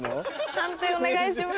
判定お願いします。